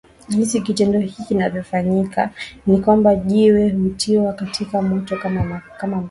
jinsi kitendo hiki kinavyofanyika ni kwamba Jiwe hutiwa katika moto kama mkaaa